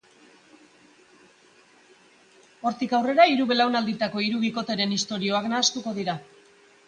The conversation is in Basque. Hortik aurrera, hiru belaunalditako hiru bikoteren istorioak nahastuko dira.